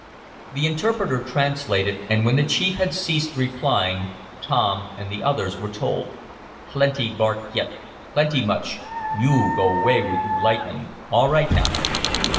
The interpreter translated, and when the chief had ceased replying, Tom and the others were told: "Plenty bark git. Plenty much. Yo' go away with yo' lightning. All right now."